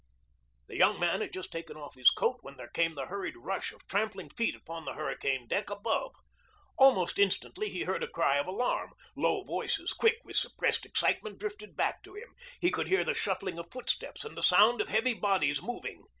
The young man had just taken off his coat when there came the hurried rush of trampling feet upon the hurricane deck above. Almost instantly he heard a cry of alarm. Low voices, quick with suppressed excitement, drifted back to him. He could hear the shuffling of footsteps and the sound of heavy bodies moving.